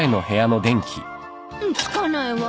つかないわ。